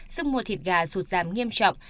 sức mua thịt gà sụt giảm nghiêm trọng